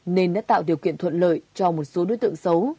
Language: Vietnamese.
nên đã tạo điều kiện thuận lợi cho một số đối tượng xấu